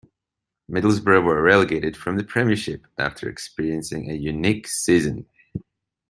Middlesbrough were relegated from the Premiership after experiencing a unique season.